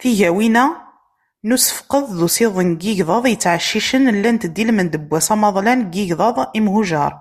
Tigawin-a n usefqed d usiḍen n yigḍaḍ yettɛeccicen, llant-d i lmend n wass amaḍalan n yigḍaḍ imhujar.